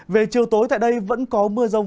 về chiều tối tại đây vẫn có mưa rông